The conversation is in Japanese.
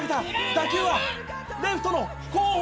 打球はレフトの後方！」